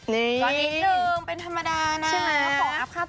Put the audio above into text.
นี่ก็อีกหนึ่งเป็นธรรมดานะ